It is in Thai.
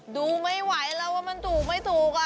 ดูไม่ไหวแล้วว่ามันถูกไม่ถูก